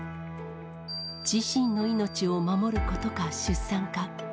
自身の命を守ることか、出産か。